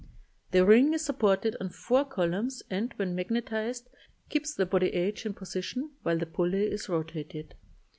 The ring is supported on four columns and, when magnetized, keeps the body h in position while the pulley is rotated.